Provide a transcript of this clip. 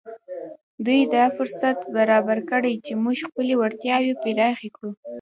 دوی دا فرصت برابر کړی چې موږ خپلې وړتياوې پراخې کړو.